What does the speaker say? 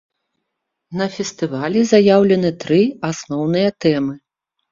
На фестывалі заяўлены тры асноўныя тэмы.